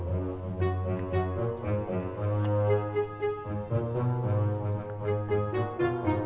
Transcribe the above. suy kalian bantuin aku parkir dulu dong